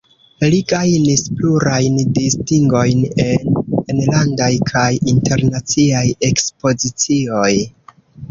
Li gajnis plurajn distingojn en enlandaj kaj internaciaj ekspozicioj.